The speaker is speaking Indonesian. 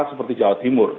seperti jawa timur